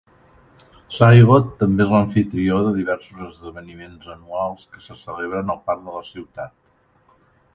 Silloth també és l'amfitrió de diversos esdeveniments anuals que se celebren al parc de la ciutat.